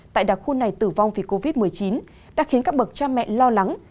tại đặc khu này tử vong vì covid một mươi chín đã khiến các bậc cha mẹ lo lắng